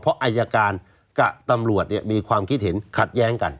เพราะอายการกับตำรวจมีความคิดเห็นขัดแย้งกัน